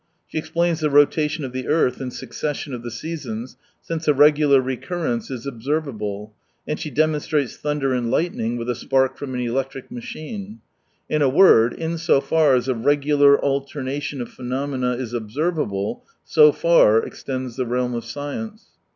She explains the rotation of the earth and succession of the seasons since a regular recurrence is observable, and she demonstrates thunder and lightning with a spark from an electric inachine. In a word, in so far as a regular alternation of phenomena is observable, so far extends the realm of science.